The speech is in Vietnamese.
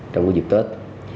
trong cái dịp tết